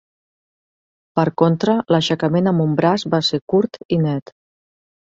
Per contra, l'aixecament amb un braç va ser curt i net.